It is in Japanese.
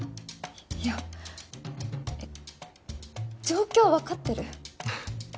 いや状況わかってる？